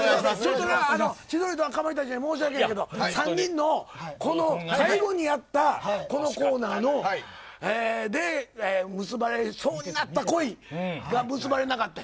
千鳥とかまいたちに申し訳ないけど３人の最後に会ったこのコーナーで結ばれそうになった恋が結ばれなかった。